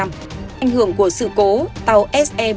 ảnh hưởng của sự cố tàu se bốn mươi hai